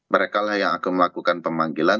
mereka lah yang akan melakukan pemanggilan